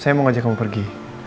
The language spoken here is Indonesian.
saya mau ngajak kamu pergi